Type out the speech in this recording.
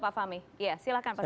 pak fahmi ya silahkan pak fah